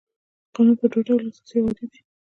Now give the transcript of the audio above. قانون په دوه ډوله اساسي او عادي دی.